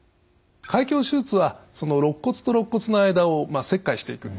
開胸手術は肋骨と肋骨の間を切開していくんです。